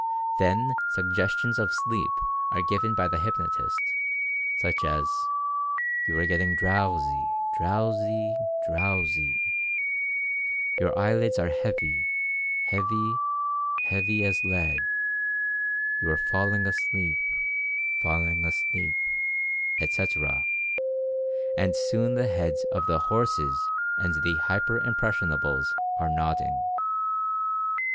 Then sug gestions of sleep are given by the hypnotist, such as "You are growing drowsy, drowsy, drowsy — your eye lids are heavy, heavy, heavy as lead — you are falling asleep, falling asleep," etc., and soon the heads of the "horses" and the "hyper impressionables" are nodding.